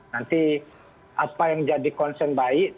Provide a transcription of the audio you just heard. nanti apa yang jadi concern mbak iyi